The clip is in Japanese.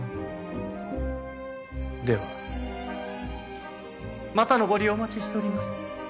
ではまたのご利用をお待ちしております。